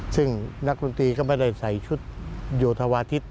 ซึ่งนักดนตรีก็ไม่ได้ใส่ชุดโยธวาทิศ